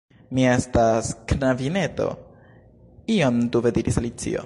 "Mi estas... knabineto," iom dube diris Alicio